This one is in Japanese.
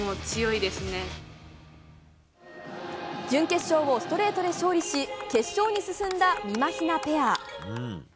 準決勝をストレートで勝利し決勝に進んだ、みまひなペア。